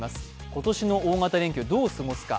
今年の大型連休どう過ごすか。